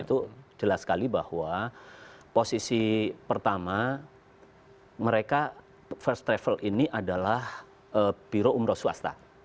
itu jelas sekali bahwa posisi pertama mereka first travel ini adalah biro umroh swasta